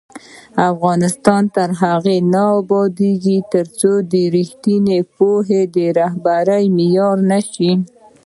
افغانستان تر هغو نه ابادیږي، ترڅو ریښتینې پوهه د رهبرۍ معیار نه شي.